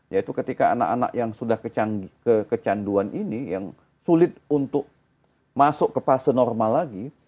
yaitu ketika anak anak yang sudah kecanduan ini yang sulit untuk masuk ke fase normal lagi